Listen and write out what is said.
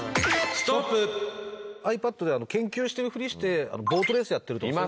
ｉＰａｄで研究するふりして、ボートレースやってるとか？